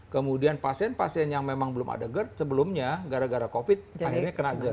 kemudian pasien pasien yang memang belum ada gerd sebelumnya gara gara covid akhirnya kena gerd